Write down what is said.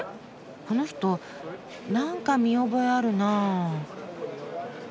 この人なんか見覚えあるなあ。